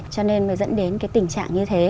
cho nên mới dẫn đến tình trạng như thế